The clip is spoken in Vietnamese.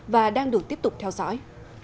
và đang được tiếp tục theo dõi